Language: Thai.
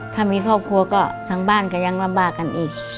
ถ้ามีครอบครัวก็ทางบ้านก็ยังลำบากกันอีก